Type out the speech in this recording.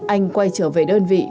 anh quay trở về đơn vị